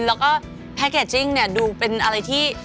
แล้วก็แพ็คเกจจิ้งเนี่ยดูเป็นอะไรที่